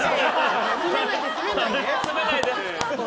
責めないで。